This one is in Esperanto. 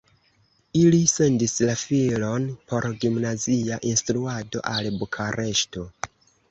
Ili sendis la filon por gimnazia instruado al Bukareŝto.